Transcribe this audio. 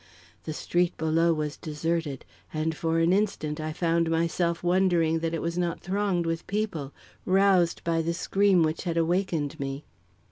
The street below was deserted; and for an instant I found myself wondering that it was not thronged with people, roused by the scream which had awakened me.